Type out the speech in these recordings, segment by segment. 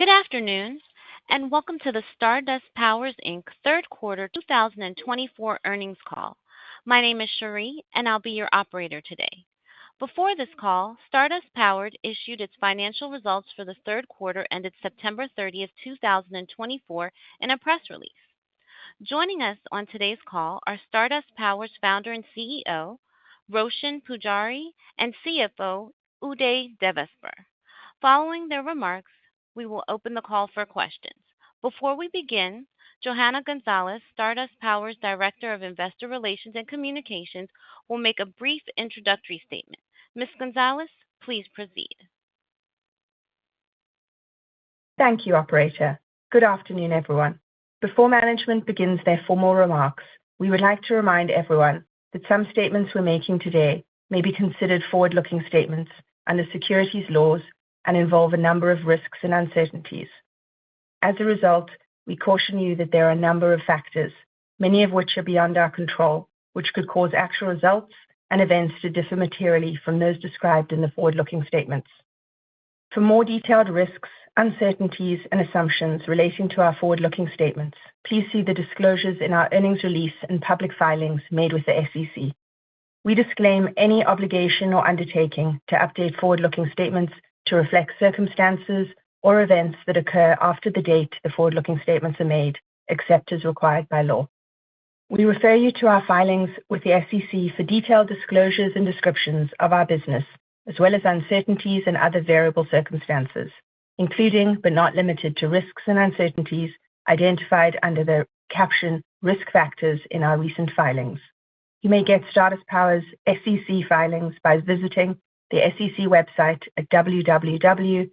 Good afternoon, and welcome to the Stardust Power, Inc. third quarter 2024 earnings call. My name is Cherie, and I'll be your operator today. Before this call, Stardust Power issued its financial results for the third quarter ended September 30, 2024, in a press release. Joining us on today's call are Stardust Power's founder and CEO, Roshan Pujari, and CFO, Uday Devasper. Following their remarks, we will open the call for questions. Before we begin, Johanna Gonzalez, Stardust Power's director of investor relations and communications, will make a brief introductory statement. Ms. Gonzalez, please proceed. Thank you, operator. Good afternoon, everyone. Before management begins their formal remarks, we would like to remind everyone that some statements we're making today may be considered forward-looking statements under securities laws and involve a number of risks and uncertainties. As a result, we caution you that there are a number of factors, many of which are beyond our control, which could cause actual results and events to differ materially from those described in the forward-looking statements. For more detailed risks, uncertainties, and assumptions relating to our forward-looking statements, please see the disclosures in our earnings release and public filings made with the SEC. We disclaim any obligation or undertaking to update forward-looking statements to reflect circumstances or events that occur after the date the forward-looking statements are made, except as required by law. We refer you to our filings with the SEC for detailed disclosures and descriptions of our business, as well as uncertainties and other variable circumstances, including but not limited to risks and uncertainties identified under the caption "Risk Factors" in our recent filings. You may get Stardust Power's SEC filings by visiting the SEC website at www.sec.gov.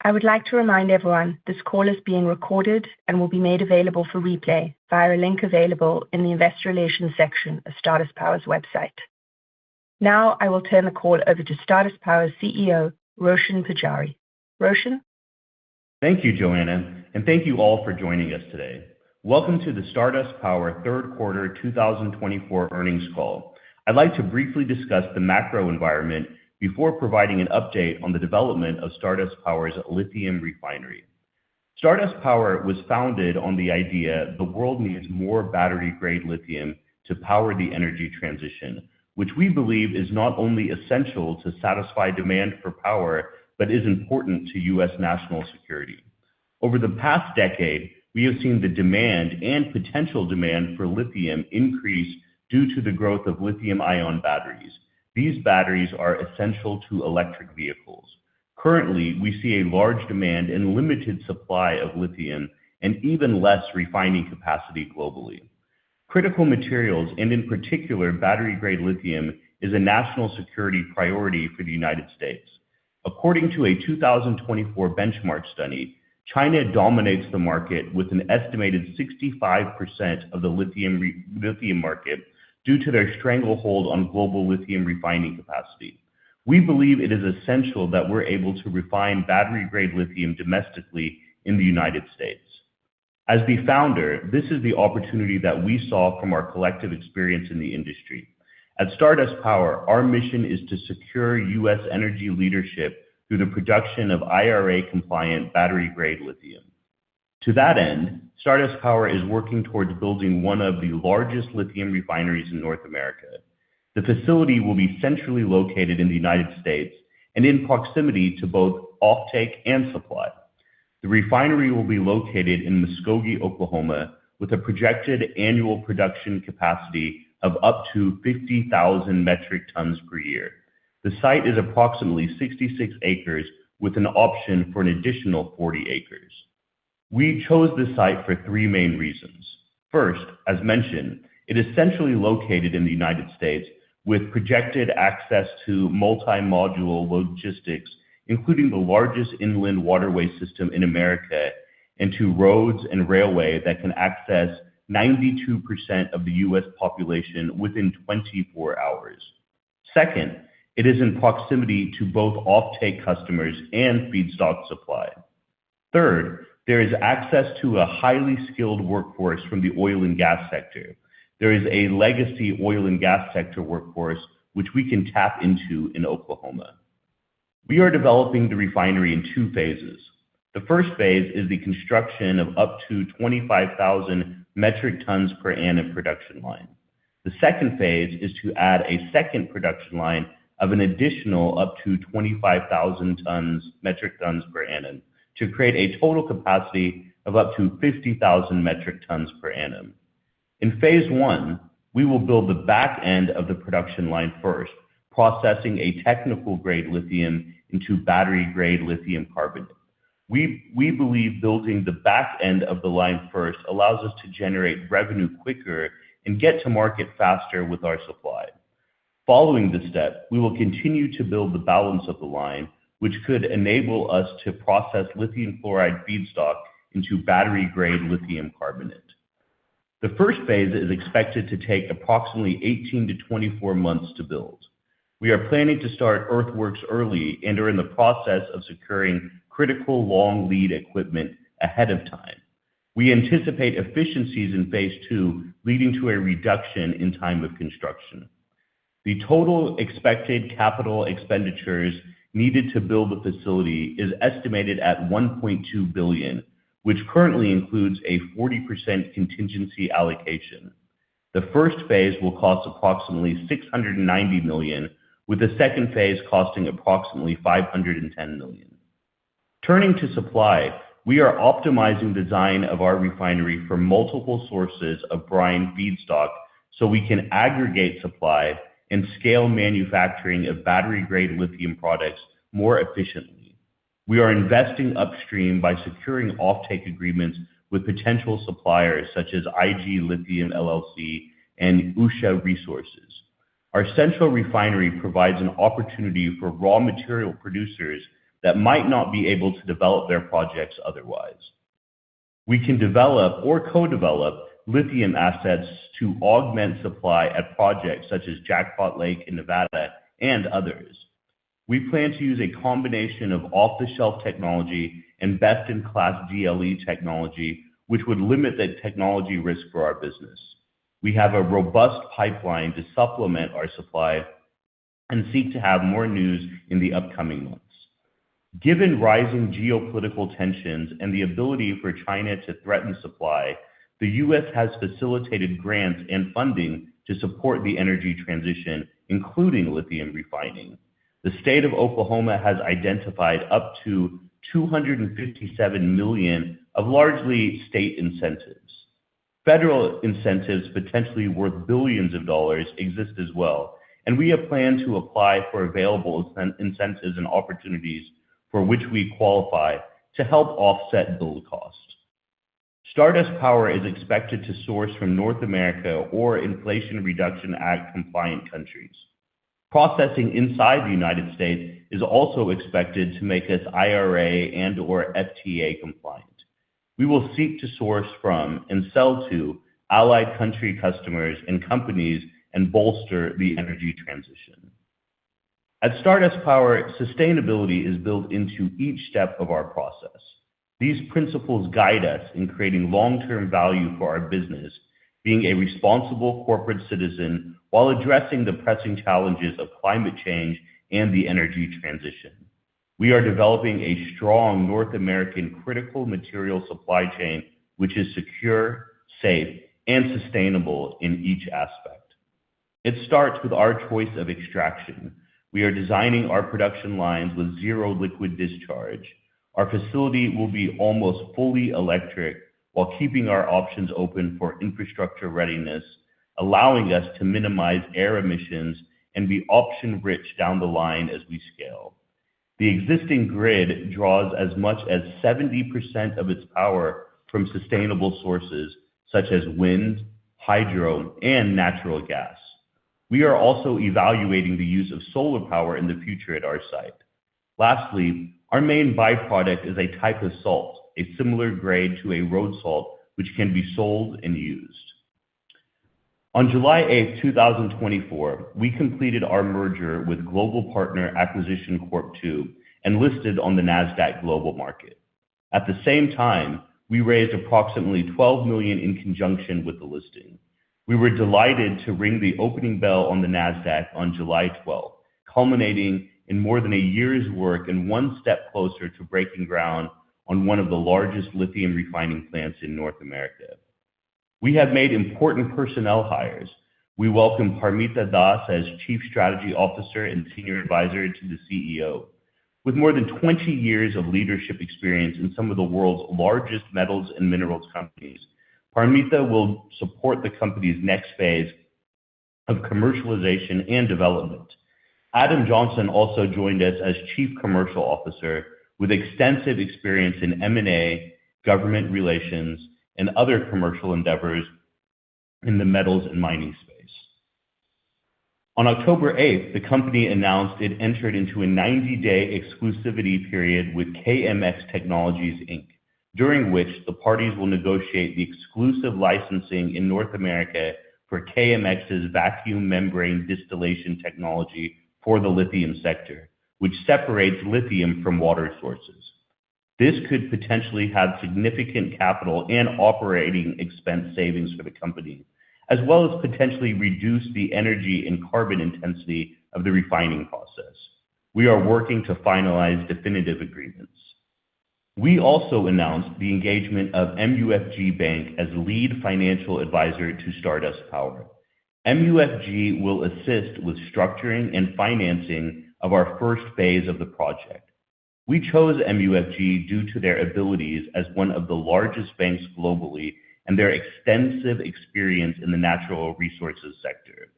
I would like to remind everyone this call is being recorded and will be made available for replay via a link available in the investor relations section of Stardust Power's website. Now, I will turn the call over to Stardust Power's CEO, Roshan Pujari. Roshan? Thank you, Johanna, and thank you all for joining us today. Welcome to the Stardust Power third quarter 2024 earnings call. I'd like to briefly discuss the macro environment before providing an update on the development of Stardust Power's lithium refinery. Stardust Power was founded on the idea the world needs more battery-grade lithium to power the energy transition, which we believe is not only essential to satisfy demand for power but is important to U.S. national security. Over the past decade, we have seen the demand and potential demand for lithium increase due to the growth of lithium-ion batteries. These batteries are essential to electric vehicles. Currently, we see a large demand and limited supply of lithium and even less refining capacity globally. Critical materials, and in particular battery-grade lithium, are a national security priority for the United States. According to a 2024 benchmark study, China dominates the market with an estimated 65% of the lithium market due to their stranglehold on global lithium refining capacity. We believe it is essential that we're able to refine battery-grade lithium domestically in the United States. As the founder, this is the opportunity that we saw from our collective experience in the industry. At Stardust Power, our mission is to secure U.S. energy leadership through the production of IRA-compliant battery-grade lithium. To that end, Stardust Power is working towards building one of the largest lithium refineries in North America. The facility will be centrally located in the United States and in proximity to both offtake and supply. The refinery will be located in Muskogee, Oklahoma, with a projected annual production capacity of up to 50,000 metric tons per year. The site is approximately 66 acres with an option for an additional 40 acres. We chose this site for three main reasons. First, as mentioned, it is centrally located in the United States with projected access to multi-module logistics, including the largest inland waterway system in America, and to roads and railway that can access 92% of the U.S. population within 24 hours. Second, it is in proximity to both offtake customers and feedstock supply. Third, there is access to a highly skilled workforce from the oil and gas sector. There is a legacy oil and gas sector workforce, which we can tap into in Oklahoma. We are developing the refinery in two phases. The first phase is the construction of up to 25,000 metric tons per annum production line. The second phase is to add a second production line of an additional up to 25,000 metric tons per annum to create a total capacity of up to 50,000 metric tons per annum. In phase I, we will build the back end of the production line first, processing a technical-grade lithium into battery-grade lithium carbonate. We believe building the back end of the line first allows us to generate revenue quicker and get to market faster with our supply. Following this step, we will continue to build the balance of the line, which could enable us to process lithium chloride feedstock into battery-grade lithium carbonate. The first phase is expected to take approximately 18-24 months to build. We are planning to start earthworks early and are in the process of securing critical long-lead equipment ahead of time. We anticipate efficiencies in phase II, leading to a reduction in time of construction. The total expected capital expenditures needed to build the facility is estimated at $1.2 billion, which currently includes a 40% contingency allocation. The first phase will cost approximately $690 million, with the second phase costing approximately $510 million. Turning to supply, we are optimizing the design of our refinery for multiple sources of brine feedstock so we can aggregate supply and scale manufacturing of battery-grade lithium products more efficiently. We are investing upstream by securing offtake agreements with potential suppliers such as IG Lithium LLC and Usha Resources. Our central refinery provides an opportunity for raw material producers that might not be able to develop their projects otherwise. We can develop or co-develop lithium assets to augment supply at projects such as Jackpot Lake in Nevada and others. We plan to use a combination of off-the-shelf technology and best-in-class DLE technology, which would limit the technology risk for our business. We have a robust pipeline to supplement our supply and seek to have more news in the upcoming months. Given rising geopolitical tensions and the ability for China to threaten supply, the U.S. has facilitated grants and funding to support the energy transition, including lithium refining. The state of Oklahoma has identified up to $257 million of largely state incentives. Federal incentives potentially worth billions of dollars exist as well, and we have planned to apply for available incentives and opportunities for which we qualify to help offset those costs. Stardust Power is expected to source from North America or Inflation Reduction Act-compliant countries. Processing inside the United States is also expected to make us IRA and/or FTA-compliant. We will seek to source from and sell to allied country customers and companies and bolster the energy transition. At Stardust Power, sustainability is built into each step of our process. These principles guide us in creating long-term value for our business, being a responsible corporate citizen while addressing the pressing challenges of climate change and the energy transition. We are developing a strong North American critical material supply chain, which is secure, safe, and sustainable in each aspect. It starts with our choice of extraction. We are designing our production lines with zero liquid discharge. Our facility will be almost fully electric while keeping our options open for infrastructure readiness, allowing us to minimize air emissions and be option-rich down the line as we scale. The existing grid draws as much as 70% of its power from sustainable sources such as wind, hydro, and natural gas. We are also evaluating the use of solar power in the future at our site. Lastly, our main byproduct is a type of salt, a similar grade to a road salt, which can be sold and used. On July 8, 2024, we completed our merger with Global Partner Acquisition Corp II and listed on the NASDAQ Global Market. At the same time, we raised approximately $12 million in conjunction with the listing. We were delighted to ring the opening bell on the NASDAQ on July 12, culminating in more than a year's work and one step closer to breaking ground on one of the largest lithium refining plants in North America. We have made important personnel hires. We welcome Paramita Das as Chief Strategy Officer and Senior Advisor to the CEO. With more than 20 years of leadership experience in some of the world's largest metals and minerals companies, Paramita will support the company's next phase of commercialization and development. Adam Johnson also joined us as Chief Commercial Officer with extensive experience in M&A, government relations, and other commercial endeavors in the metals and mining space. On October 8, the company announced it entered into a 90-day exclusivity period with KMX Technologies, Inc., during which the parties will negotiate the exclusive licensing in North America for KMX's vacuum membrane distillation technology for the lithium sector, which separates lithium from water sources. This could potentially have significant capital and operating expense savings for the company, as well as potentially reduce the energy and carbon intensity of the refining process. We are working to finalize definitive agreements. We also announced the engagement of MUFG Bank as lead financial advisor to Stardust Power. MUFG will assist with structuring and financing of our first phase of the project. We chose MUFG due to their abilities as one of the largest banks globally and their extensive experience in the natural resources sector.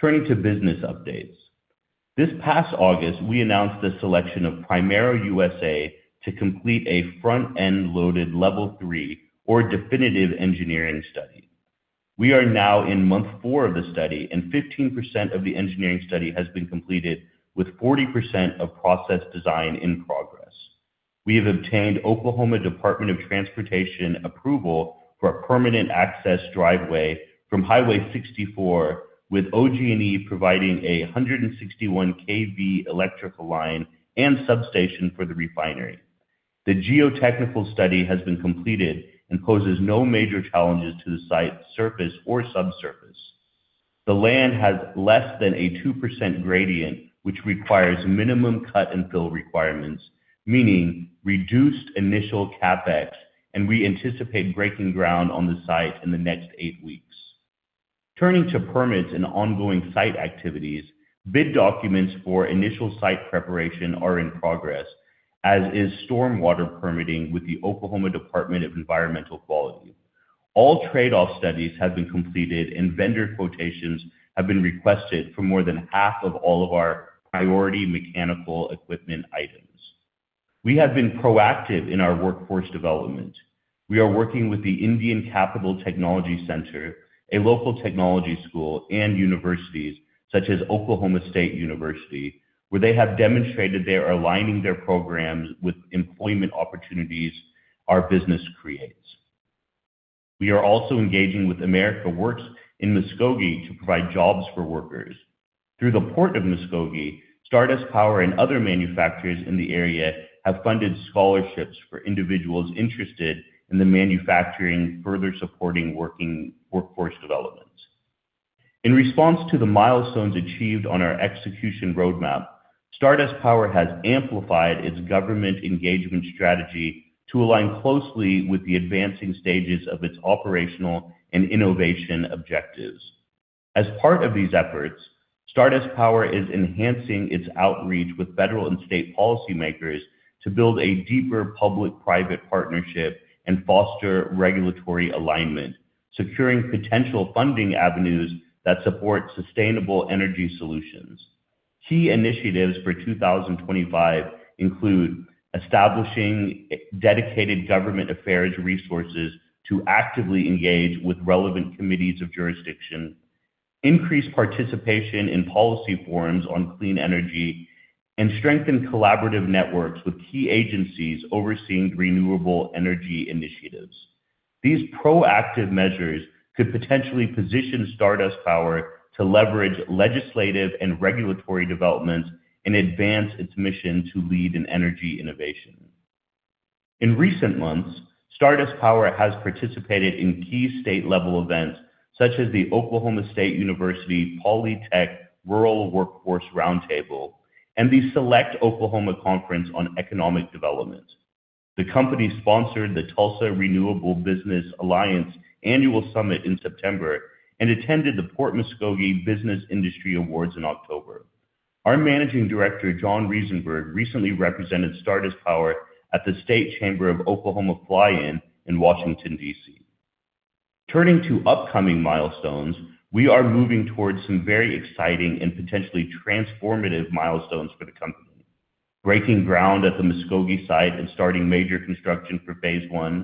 Turning to business updates. This past August, we announced the selection of Primero USA to complete a front-end loaded level three or definitive engineering study. We are now in month four of the study, and 15% of the engineering study has been completed, with 40% of process design in progress. We have obtained Oklahoma Department of Transportation approval for a permanent access driveway from Highway 64, with OG&E providing a 161 kV electrical line and substation for the refinery. The geotechnical study has been completed and poses no major challenges to the site's surface or subsurface. The land has less than a 2% gradient, which requires minimum cut and fill requirements, meaning reduced initial CapEx, and we anticipate breaking ground on the site in the next eight weeks. Turning to permits and ongoing site activities, bid documents for initial site preparation are in progress, as is stormwater permitting with the Oklahoma Department of Environmental Quality. All trade-off studies have been completed, and vendor quotations have been requested for more than half of all of our priority mechanical equipment items. We have been proactive in our workforce development. We are working with the Indian Capital Technology Center, a local technology school, and universities such as Oklahoma State University, where they have demonstrated they are aligning their programs with employment opportunities our business creates. We are also engaging with America Works in Muskogee to provide jobs for workers. Through the Port of Muskogee, Stardust Power and other manufacturers in the area have funded scholarships for individuals interested in the manufacturing, further supporting working workforce development. In response to the milestones achieved on our execution roadmap, Stardust Power has amplified its government engagement strategy to align closely with the advancing stages of its operational and innovation objectives. As part of these efforts, Stardust Power is enhancing its outreach with federal and state policymakers to build a deeper public-private partnership and foster regulatory alignment, securing potential funding avenues that support sustainable energy solutions. Key initiatives for 2025 include establishing dedicated government affairs resources to actively engage with relevant committees of jurisdiction, increase participation in policy forums on clean energy, and strengthen collaborative networks with key agencies overseeing renewable energy initiatives. These proactive measures could potentially position Stardust Power to leverage legislative and regulatory developments and advance its mission to lead in energy innovation. In recent months, Stardust Power has participated in key state-level events such as the Oklahoma State University Polytech Rural Workforce Roundtable and the Select Oklahoma Conference on Economic Development. The company sponsored the Tulsa Renewable Business Alliance Annual Summit in September and attended the Port of Muskogee Business Industry Awards in October. Our Managing Director, John Riesenberg, recently represented Stardust Power at the State Chamber of Oklahoma Fly-In in Washington, D.C. Turning to upcoming milestones, we are moving towards some very exciting and potentially transformative milestones for the company. Breaking ground at the Muskogee site and starting major construction for phase I,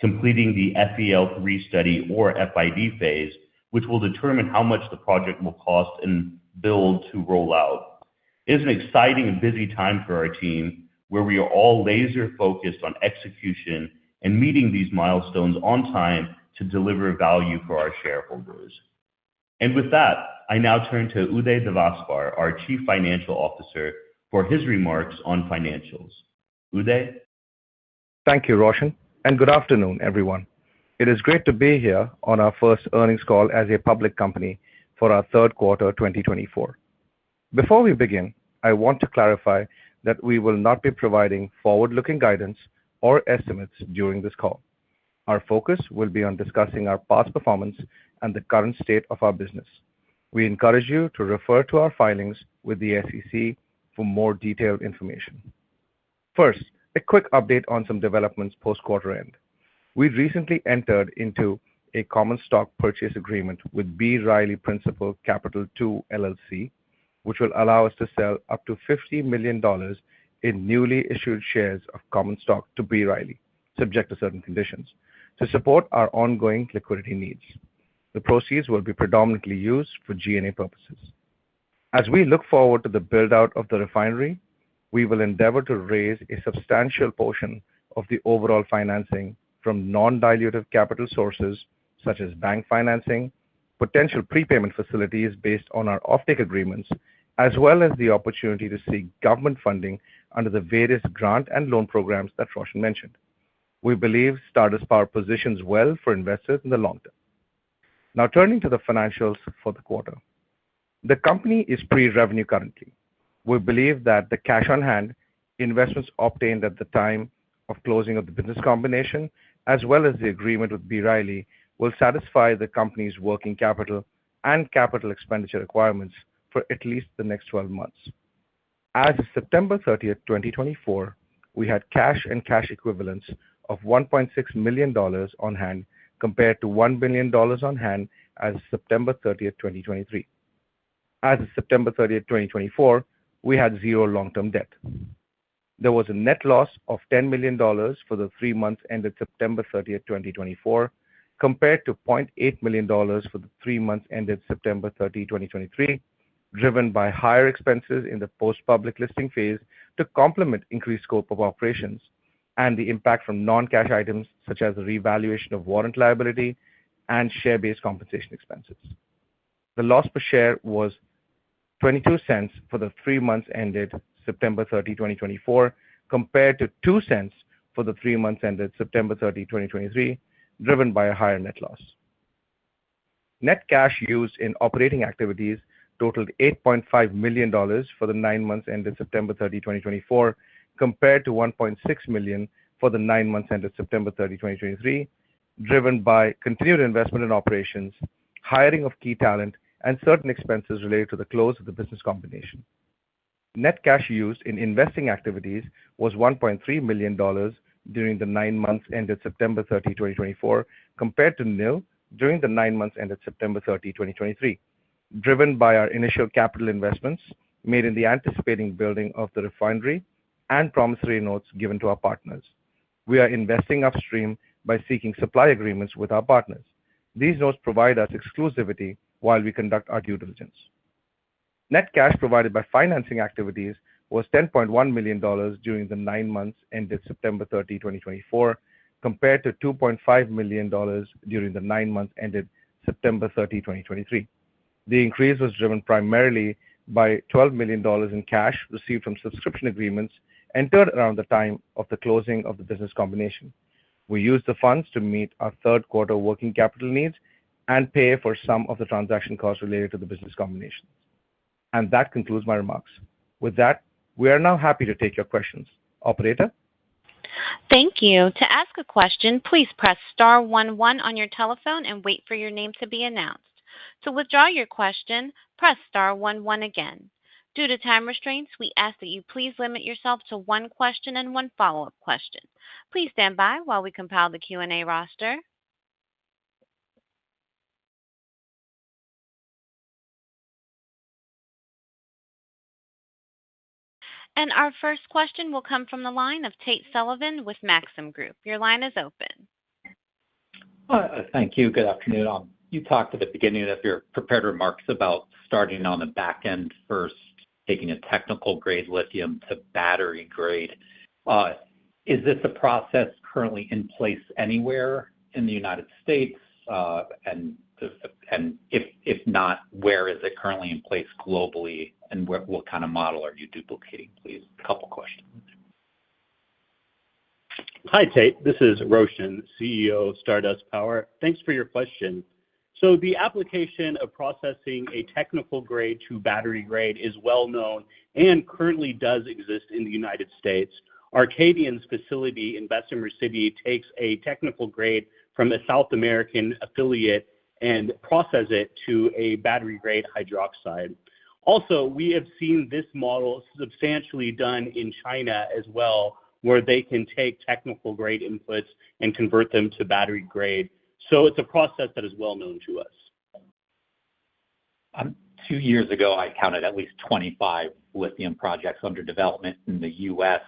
completing the FEL-3 study or FID phase, which will determine how much the project will cost and build to roll out. It is an exciting and busy time for our team, where we are all laser-focused on execution and meeting these milestones on time to deliver value for our shareholders, and with that, I now turn to Uday Devasper, our Chief Financial Officer, for his remarks on financials. Uday? Thank you, Roshan, and good afternoon, everyone. It is great to be here on our first earnings call as a public company for our third quarter 2024. Before we begin, I want to clarify that we will not be providing forward-looking guidance or estimates during this call. Our focus will be on discussing our past performance and the current state of our business. We encourage you to refer to our filings with the SEC for more detailed information. First, a quick update on some developments post-quarter end. We recently entered into a common stock purchase agreement with B. Riley Principal Capital II LLC, which will allow us to sell up to $50 million in newly issued shares of common stock to B. Riley, subject to certain conditions, to support our ongoing liquidity needs. The proceeds will be predominantly used for G&A purposes. As we look forward to the build-out of the refinery, we will endeavor to raise a substantial portion of the overall financing from non-dilutive capital sources such as bank financing, potential prepayment facilities based on our offtake agreements, as well as the opportunity to seek government funding under the various grant and loan programs that Roshan mentioned. We believe Stardust Power positions well for investors in the long term. Now, turning to the financials for the quarter, the company is pre-revenue currently. We believe that the cash on hand investments obtained at the time of closing of the business combination, as well as the agreement with B. Riley, will satisfy the company's working capital and capital expenditure requirements for at least the next 12 months. As of September 30, 2024, we had cash and cash equivalents of $1.6 million on hand compared to $1 billion on hand as of September 30, 2023. As of September 30, 2024, we had zero long-term debt. There was a net loss of $10 million for the three months ended September 30, 2024, compared to $0.8 million for the three months ended September 30, 2023, driven by higher expenses in the post-public listing phase to complement increased scope of operations and the impact from non-cash items such as the revaluation of warrant liability and share-based compensation expenses. The loss per share was $0.22 for the three months ended September 30, 2024, compared to $0.02 for the three months ended September 30, 2023, driven by a higher net loss. Net cash used in operating activities totaled $8.5 million for the nine months ended September 30, 2024, compared to $1.6 million for the nine months ended September 30, 2023, driven by continued investment in operations, hiring of key talent, and certain expenses related to the close of the business combination. Net cash used in investing activities was $1.3 million during the nine months ended September 30, 2024, compared to $0.00 during the nine months ended September 30, 2023, driven by our initial capital investments made in the anticipated building of the refinery and promissory notes given to our partners. We are investing upstream by seeking supply agreements with our partners. These notes provide us exclusivity while we conduct our due diligence. Net cash provided by financing activities was $10.1 million during the nine months ended September 30, 2024, compared to $2.5 million during the nine months ended September 30, 2023. The increase was driven primarily by $12 million in cash received from subscription agreements entered around the time of the closing of the business combination. We used the funds to meet our third quarter working capital needs and pay for some of the transaction costs related to the business combination. And that concludes my remarks. With that, we are now happy to take your questions. Operator? Thank you. To ask a question, please press Star one one on your telephone and wait for your name to be announced. To withdraw your question, press Star one one again. Due to time restraints, we ask that you please limit yourself to one question and one follow-up question. Please stand by while we compile the Q&A roster. Our first question will come from the line of Tate Sullivan with Maxim Group. Your line is open. Thank you. Good afternoon. You talked at the beginning of your prepared remarks about starting on the back end first, taking a technical grade lithium to battery grade. Is this a process currently in place anywhere in the United States? And if not, where is it currently in place globally, and what kind of model are you duplicating, please? A couple of questions. Hi, Tate. This is Roshan, CEO of Stardust Power. Thanks for your question. The application of processing a technical grade to battery grade is well known and currently does exist in the United States. Arcadium's facility in Bessemer City takes a technical grade from a South American affiliate and processes it to a battery-grade hydroxide. Also, we have seen this model substantially done in China as well, where they can take technical-grade inputs and convert them to battery grade. So it's a process that is well known to us. Two years ago, I counted at least 25 lithium projects under development in the U.S.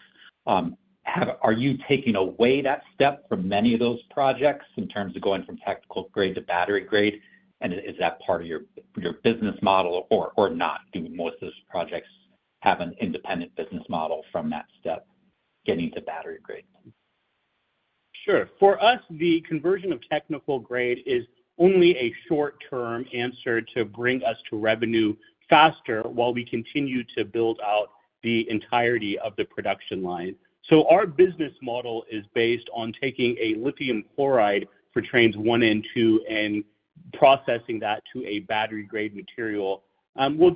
Are you taking away that step from many of those projects in terms of going from technical grade to battery grade? And is that part of your business model or not? Do most of those projects have an independent business model from that step, getting to battery grade? Sure. For us, the conversion of technical grade is only a short-term answer to bring us to revenue faster while we continue to build out the entirety of the production line. Our business model is based on taking a lithium chloride for trains one and two and processing that to a battery-grade material. We're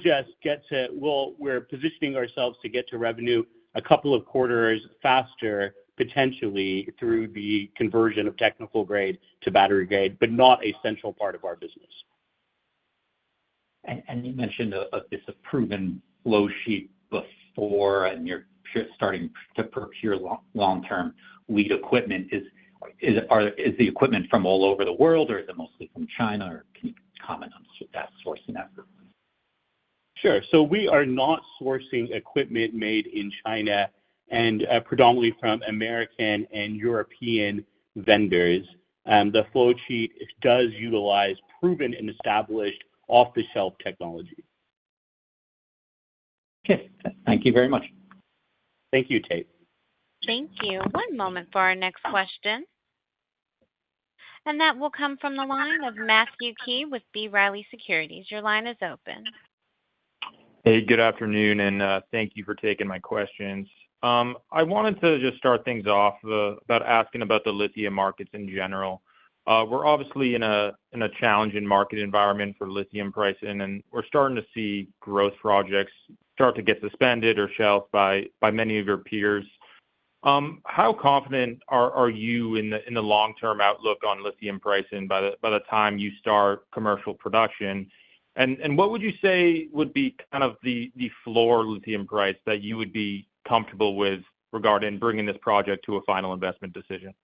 positioning ourselves to get to revenue a couple of quarters faster, potentially through the conversion of technical grade to battery grade, but not a central part of our business. You mentioned this proven flowsheet before, and you're starting to procure long-lead equipment. Is the equipment from all over the world, or is it mostly from China, or can you comment on that source and effort? Sure. We are not sourcing equipment made in China, and predominantly from American and European vendors. The flowsheet does utilize proven and established off-the-shelf technology. Okay. Thank you very much. Thank you, Tate. Thank you. One moment for our next question. That will come from the line of Matthew Key with B. Riley Securities. Your line is open. Hey, good afternoon, and thank you for taking my questions. I wanted to just start things off by asking about the lithium markets in general. We're obviously in a challenging market environment for lithium pricing, and we're starting to see growth projects start to get suspended or shelved by many of your peers. How confident are you in the long-term outlook on lithium pricing by the time you start commercial production? And what would you say would be kind of the floor lithium price that you would be comfortable with regarding bringing this project to a final investment decision?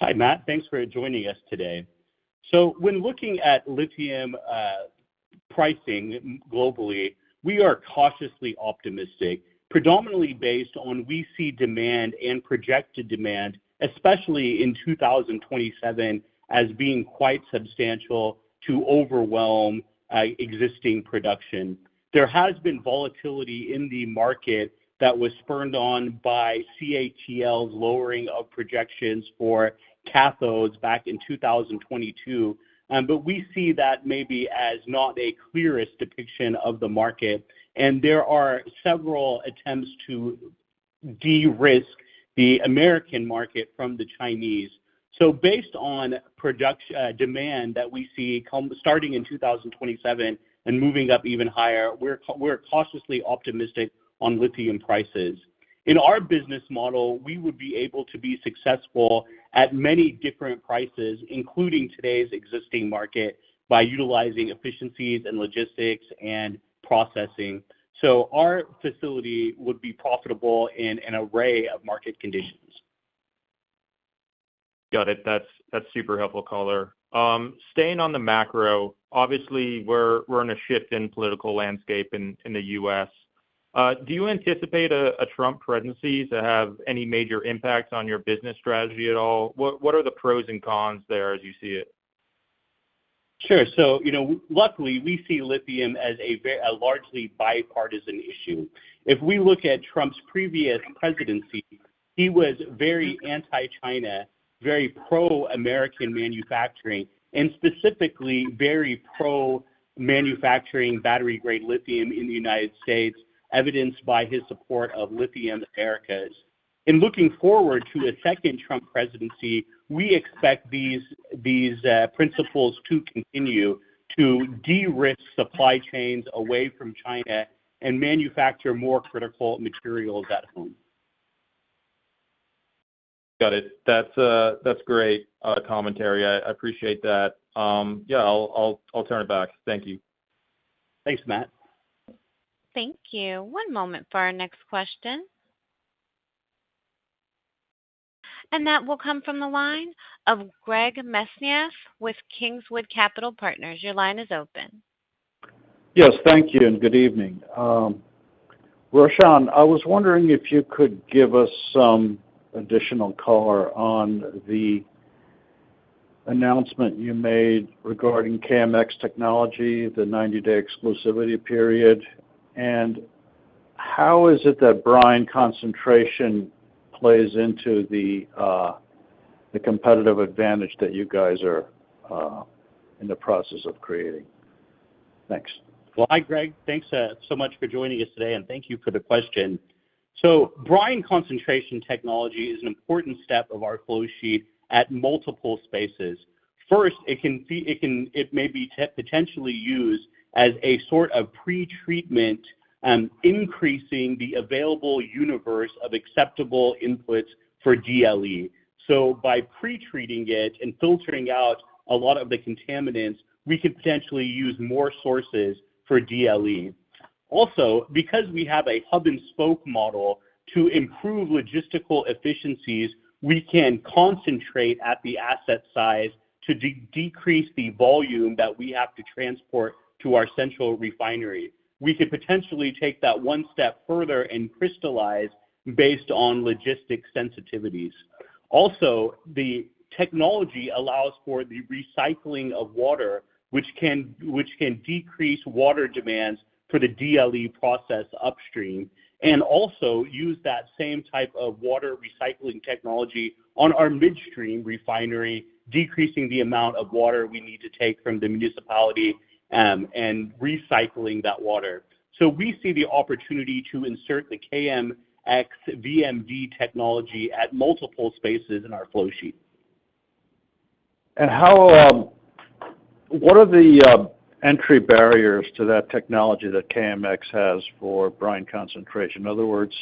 Hi, Matt. Thanks for joining us today. So when looking at lithium pricing globally, we are cautiously optimistic, predominantly based on what we see as demand and projected demand, especially in 2027, as being quite substantial to overwhelm existing production. There has been volatility in the market that was spurred on by CATL's lowering of projections for cathodes back in 2022. But we see that maybe as not the clearest depiction of the market. And there are several attempts to de-risk the American market from the Chinese. So based on demand that we see starting in 2027 and moving up even higher, we're cautiously optimistic on lithium prices. In our business model, we would be able to be successful at many different prices, including today's existing market, by utilizing efficiencies and logistics and processing. So our facility would be profitable in an array of market conditions. Got it. That's super helpful, caller. Staying on the macro, obviously, we're in a shift in the political landscape in the U.S. Do you anticipate a Trump presidency to have any major impact on your business strategy at all? What are the pros and cons there as you see it? Sure. So luckily, we see lithium as a largely bipartisan issue. If we look at Trump's previous presidency, he was very anti-China, very pro-American manufacturing, and specifically very pro-manufacturing battery-grade lithium in the United States, evidenced by his support of Lithium Americas. In looking forward to a second Trump presidency, we expect these principles to continue to de-risk supply chains away from China and manufacture more critical materials at home. Got it. That's great commentary. I appreciate that. Yeah, I'll turn it back. Thank you. Thanks, Matt. Thank you. One moment for our next question, and that will come from the line of Greg Mesniaeff with Kingswood Capital Partners. Your line is open. Yes, thank you, and good evening. Roshan, I was wondering if you could give us some additional color on the announcement you made regarding KMX technology, the 90-day exclusivity period, and how is it that brine concentration plays into the competitive advantage that you guys are in the process of creating? Thanks. Well, hi, Greg. Thanks so much for joining us today, and thank you for the question. So brine concentration technology is an important step of our flowsheet at multiple spaces. First, it may be potentially used as a sort of pretreatment, increasing the available universe of acceptable inputs for DLE. So by pretreating it and filtering out a lot of the contaminants, we could potentially use more sources for DLE. Also, because we have a hub-and-spoke model to improve logistical efficiencies, we can concentrate at the asset size to decrease the volume that we have to transport to our central refinery. We could potentially take that one step further and crystallize based on logistic sensitivities. Also, the technology allows for the recycling of water, which can decrease water demands for the DLE process upstream, and also use that same type of water recycling technology on our midstream refinery, decreasing the amount of water we need to take from the municipality and recycling that water, so we see the opportunity to insert the KMX VMD technology at multiple spaces in our flowsheet, and What are the entry barriers to that technology that KMX has for brine concentration? In other words,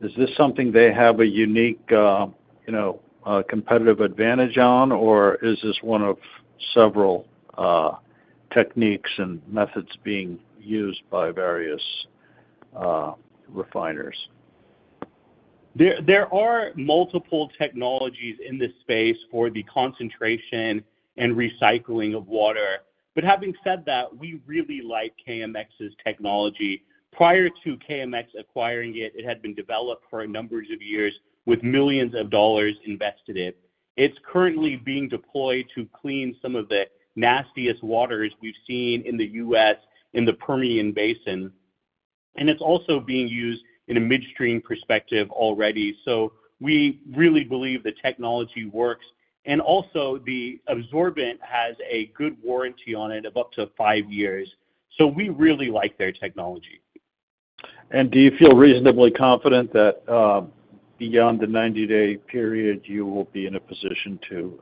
is this something they have a unique competitive advantage on, or is this one of several techniques and methods being used by various refiners? There are multiple technologies in this space for the concentration and recycling of water, but having said that, we really like KMX's technology. Prior to KMX acquiring it, it had been developed for a number of years with millions of dollars invested in it. It's currently being deployed to clean some of the nastiest waters we've seen in the U.S. in the Permian Basin. And it's also being used in a midstream perspective already. So we really believe the technology works. And also, the absorbent has a good warranty on it of up to five years. So we really like their technology. And do you feel reasonably confident that beyond the 90-day period, you will be in a position to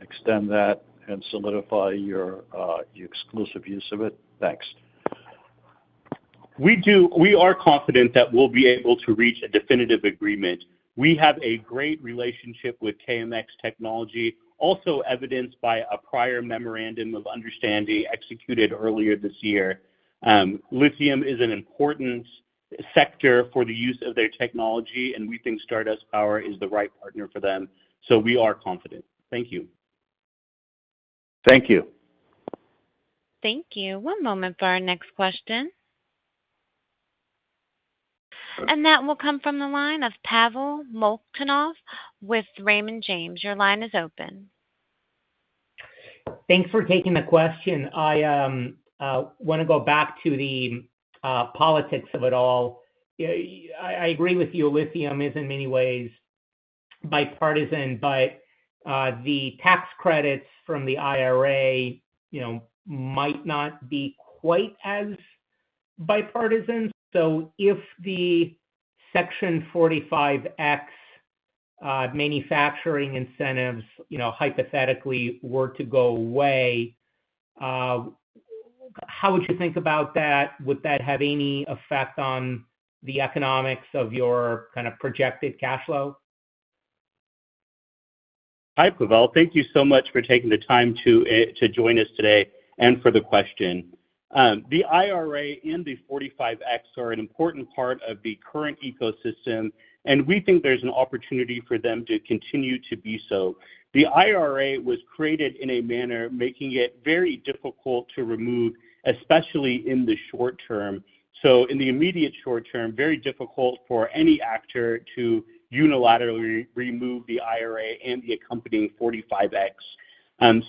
extend that and solidify your exclusive use of it? Thanks. We are confident that we'll be able to reach a definitive agreement. We have a great relationship with KMX technology, also evidenced by a prior memorandum of understanding executed earlier this year. Lithium is an important sector for the use of their technology, and we think Stardust Power is the right partner for them. So we are confident. Thank you. Thank you. Thank you. One moment for our next question, and that will come from the line of Pavel Molchanov with Raymond James. Your line is open. Thanks for taking the question. I want to go back to the politics of it all. I agree with you. Lithium is, in many ways, bipartisan, but the tax credits from the IRA might not be quite as bipartisan. So if the Section 45X manufacturing incentives, hypothetically, were to go away, how would you think about that? Would that have any effect on the economics of your kind of projected cash flow? Hi Pavel. Thank you so much for taking the time to join us today and for the question. The IRA and the 45X are an important part of the current ecosystem, and we think there's an opportunity for them to continue to be so. The IRA was created in a manner making it very difficult to remove, especially in the short term. So in the immediate short term, very difficult for any actor to unilaterally remove the IRA and the accompanying 45X.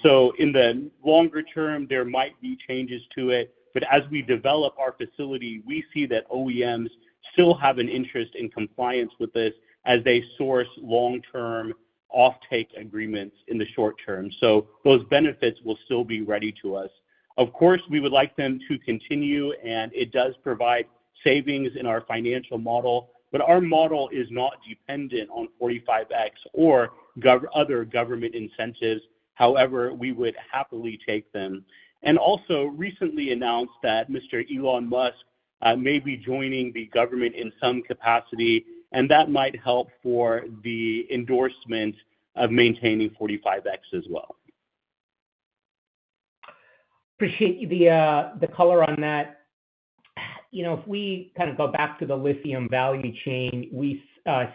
So in the longer term, there might be changes to it. But as we develop our facility, we see that OEMs still have an interest in compliance with this as they source long-term offtake agreements in the short term. So those benefits will still be available to us. Of course, we would like them to continue, and it does provide savings in our financial model. But our model is not dependent on 45X or other government incentives. However, we would happily take them. Also, recently announced that Mr. Elon Musk may be joining the government in some capacity, and that might help for the endorsement of maintaining 45X as well. Appreciate the color on that. If we kind of go back to the lithium value chain, we've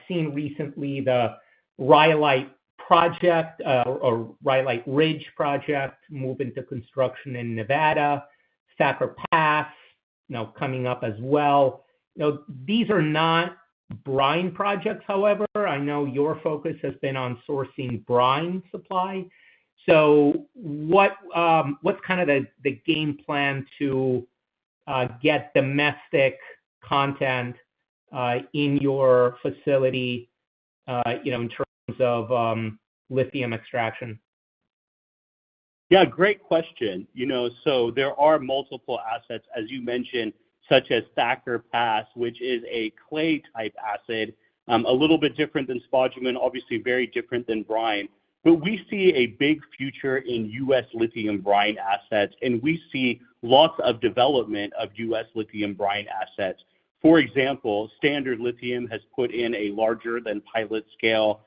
seen recently the Rhyolite project or Rhyolite Ridge project moving to construction in Nevada, Thacker Pass now coming up as well. These are not brine projects, however. I know your focus has been on sourcing brine supply. So what's kind of the game plan to get domestic content in your facility in terms of lithium extraction? Yeah, great question. So there are multiple assets, as you mentioned, such as Thacker Pass, which is a clay-type asset, a little bit different than spodumene, obviously very different than brine. But we see a big future in U.S. lithium brine assets, and we see lots of development of U.S. lithium brine assets. For example, Standard Lithium has put in a larger-than-pilot-scale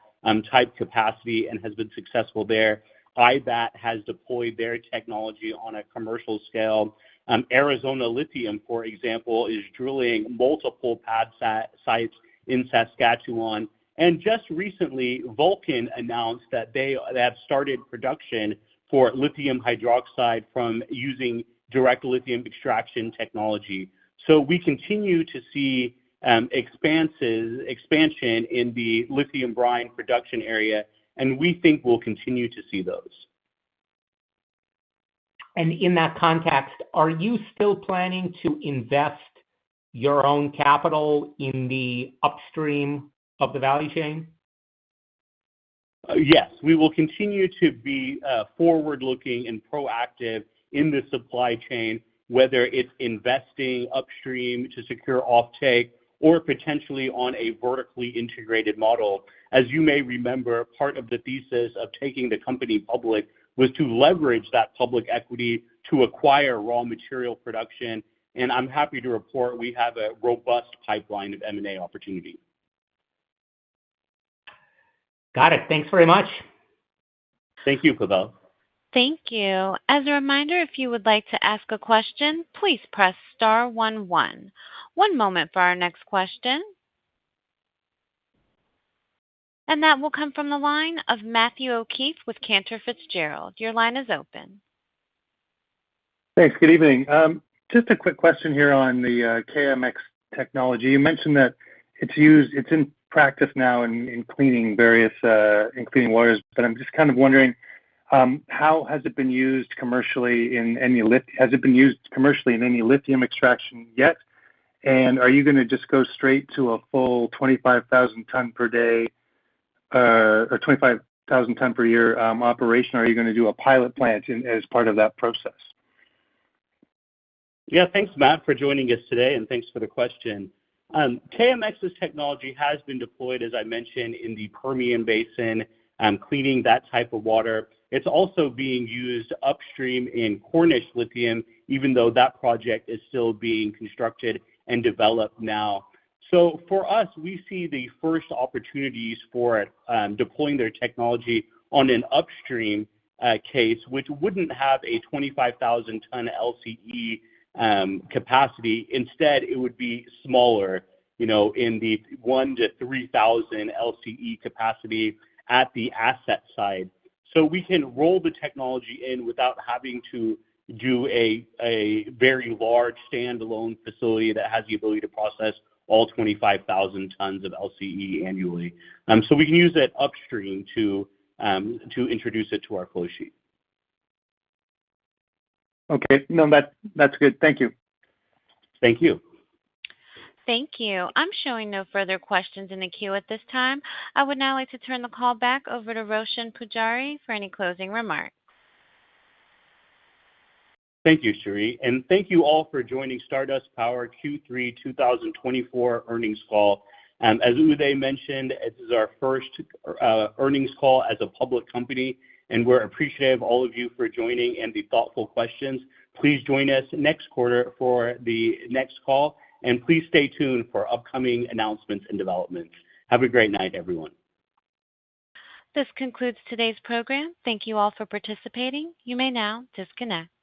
type capacity and has been successful there. IBAT has deployed their technology on a commercial scale. Arizona Lithium, for example, is drilling multiple pad sites in Saskatchewan. And just recently, Vulcan announced that they have started production for lithium hydroxide from using direct lithium extraction technology. So we continue to see expansion in the lithium brine production area, and we think we'll continue to see those. And in that context, are you still planning to invest your own capital in the upstream of the value chain? Yes. We will continue to be forward-looking and proactive in the supply chain, whether it's investing upstream to secure offtake or potentially on a vertically integrated model. As you may remember, part of the thesis of taking the company public was to leverage that public equity to acquire raw material production, and I'm happy to report we have a robust pipeline of M&A opportunity. Got it. Thanks very much. Thank you, Pavel. Thank you. As a reminder, if you would like to ask a question, please press star 11. One moment for our next question, and that will come from the line of Matthew O'Keefe with Cantor Fitzgerald. Your line is open. Thanks. Good evening. Just a quick question here on the KMX technology. You mentioned that it's in practice now in cleaning various water systems. I'm just kind of wondering, how has it been used commercially? Has it been used commercially in any lithium extraction yet? Are you going to just go straight to a full 25,000-ton per day or 25,000-ton per year operation, or are you going to do a pilot plant as part of that process? Yeah. Thanks, Matt, for joining us today, and thanks for the question. KMX's technology has been deployed, as I mentioned, in the Permian Basin, cleaning that type of water. It's also being used upstream in Cornish Lithium, even though that project is still being constructed and developed now. For us, we see the first opportunities for deploying their technology on an upstream case, which wouldn't have a 25,000-ton LCE capacity. Instead, it would be smaller in the 1,000-3,000 LCE capacity at the asset side. We can roll the technology in without having to do a very large standalone facility that has the ability to process all 25,000 tons of LCE annually. So we can use it upstream to introduce it to our flowsheet. Okay. No, that's good. Thank you. Thank you. Thank you. I'm showing no further questions in the queue at this time. I would now like to turn the call back over to Roshan Pujari for any closing remarks. Thank you, Cherie. And thank you all for joining Stardust Power Q3 2024 earnings call. As Uday mentioned, this is our first earnings call as a public company, and we're appreciative of all of you for joining and the thoughtful questions. Please join us next quarter for the next call, and please stay tuned for upcoming announcements and developments. Have a great night, everyone. This concludes today's program. Thank you all for participating. You may now disconnect.